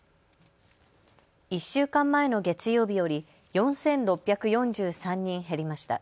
１週間前の月曜日より４６４３人減りました。